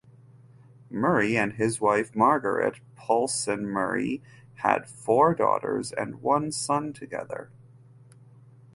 Murray and his wife Margaret Polson Murray had four daughters and one son together.